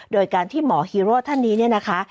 โดยการที่หมอฮีโร่ท่านนี้เนี่ยนะคะ